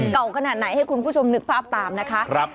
เก่าขนาดไหนให้คุณผู้ชมนึกภาพตามนะคะ